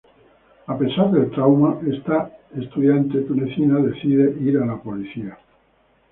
A pesar del trauma, esta estudiante tunecina decide ir a la policía.